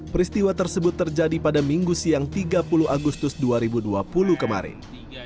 peristiwa tersebut terjadi pada minggu siang tiga puluh agustus dua ribu dua puluh kemarin